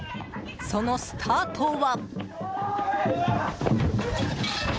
そのスタートは。